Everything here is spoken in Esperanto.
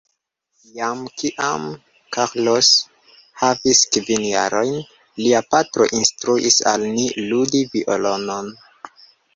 Jam kiam Carlos havis kvin jarojn, lia patro instruis al ni ludi violonon.